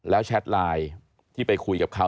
แล้วแชทไลน์ที่ไปคุยกับเขา